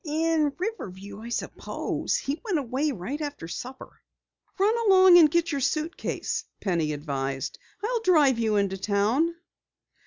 "In Riverview I suppose. He went away right after supper." "Run along and get your suitcase," Penny advised. "I'll drive you into town."